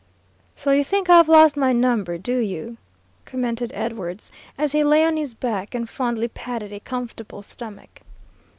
"So you think I've lost my number, do you?" commented Edwards, as he lay on his back and fondly patted a comfortable stomach.